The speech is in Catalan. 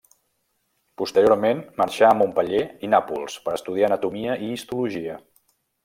Posteriorment, marxà a Montpeller i Nàpols per estudiar anatomia i histologia.